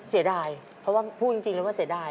เสียดายเพราะว่าพูดจริงเลยว่าเสียดาย